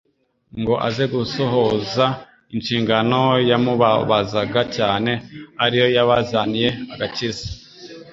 ngo aze gusohoza inshingano yamubabazaga cyane, ari yo yabazaniye agakiza.